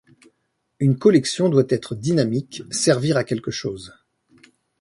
Une collection doit être dynamique, servir à quelque chose.